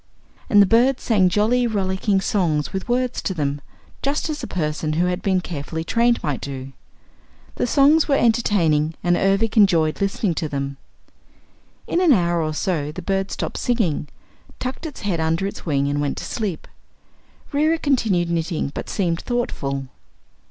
And the bird sang jolly, rollicking songs with words to them just as a person who had been carefully trained might do. The songs were entertaining and Ervic enjoyed listening to them. In an hour or so the bird stopped singing, tucked its head under its wing and went to sleep. Reera continued knitting but seemed thoughtful.